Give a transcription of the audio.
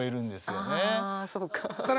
あそうか。